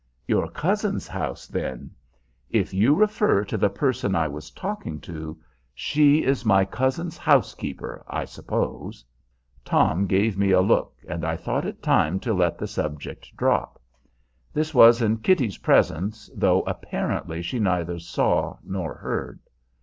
"Your cousin's house, then?" "If you refer to the person I was talking to she is my cousin's housekeeper, I suppose." Tom gave me a look, and I thought it time to let the subject drop. This was in Kitty's presence, though apparently she neither saw nor heard.